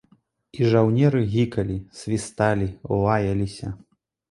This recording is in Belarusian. І жаўнеры гікалі, свісталі, лаяліся.